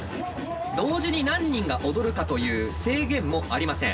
同時に何人が踊るかという制限もありません。